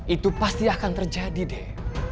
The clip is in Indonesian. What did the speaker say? itu pasti akan terjadi deh